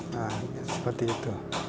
nah seperti itu